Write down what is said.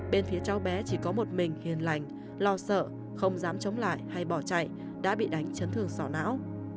bên phía cháu bé chỉ có một mình hiền lành lo sợ không dám chống lại hay bỏ chạy đã bị đánh chấn thương sọ não